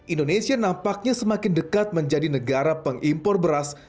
indonesia nampaknya semakin dekat menjadi negara pengimpor beras